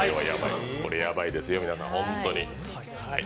これやばいですよ、皆さん。